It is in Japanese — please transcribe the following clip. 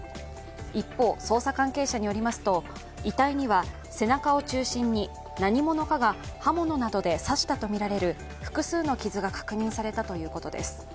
一方、捜査関係者によりますと遺体には背中を中心に何者かが刃物などで刺したとみられる複数の傷が確認されたということです。